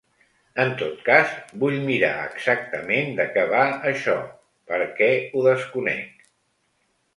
En tot cas, vull mirar exactament de què va això, perquè ho desconec.